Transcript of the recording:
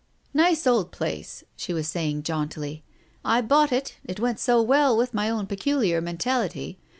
" Nice old place !" she was saying jauntily. " I bought it, it went so well with my own peculiar mentality.